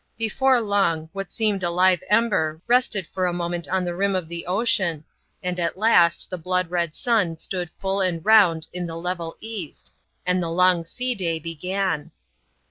Before long, what seemed a live ember rested for a moment on the rim of the ocean, and at last the blood red sun stood full and round in the level East, and the long sea day began.